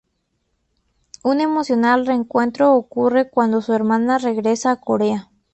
Un emocional reencuentro ocurre cuándo su hermana regresa a Corea.